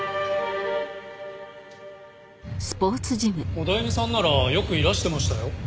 オダエミさんならよくいらしてましたよ。